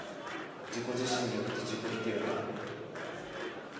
自己自身によって自己否定はできない。